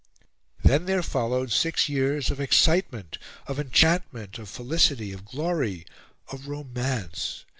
Then there followed six years of excitement, of enchantment, of felicity, of glory, of romance.